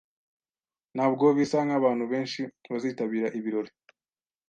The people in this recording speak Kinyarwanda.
Ntabwo bisa nkabantu benshi bazitabira ibirori.